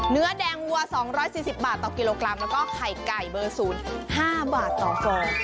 เนื้อแดงวัว๒๔๐บาทต่อกิโลกรัมแล้วก็ไข่ไก่เบอร์๐๕บาทต่อฟอง